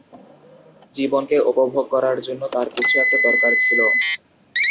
জীবনকে উপভোগ করার জন্য তার কিছু একটা দরকার ছিল।